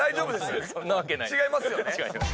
違いますよね。